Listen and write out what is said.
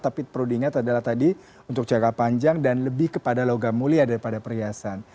tapi perlu diingat adalah tadi untuk jangka panjang dan lebih kepada logam mulia daripada perhiasan